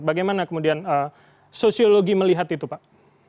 bagaimana kemudian sosiologi melihat itu pak